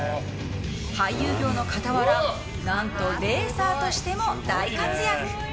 俳優業の傍ら何とレーサーとしても大活躍！